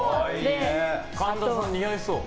神田さん、似合いそう。